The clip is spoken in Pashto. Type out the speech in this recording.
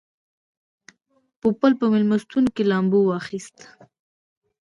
پوپل په مېلمستون کې لامبو واخیسته.